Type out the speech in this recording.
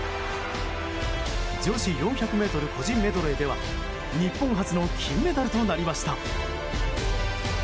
女子４００ｍ個人メドレーでは日本初の金メダルとなりました。